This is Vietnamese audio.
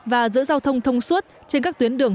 và giữa giao thông thông suốt trên các tuyến đường